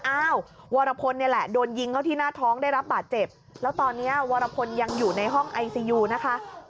อ้าววรพลเนี่ยแหละโดนยิงเข้าที่หน้าท้องได้รับบาดเจ็บแล้วตอนนี้วรพลยังอยู่ในห้องไอซียูนะคะ